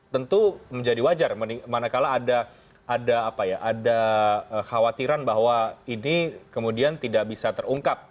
tentu menjadi wajar manakala ada khawatiran bahwa ini kemudian tidak bisa terungkap